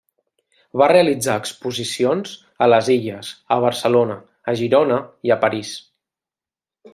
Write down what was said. Va realitzar exposicions a les illes, a Barcelona, a Girona i a París.